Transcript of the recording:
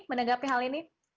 menanggapi hal ini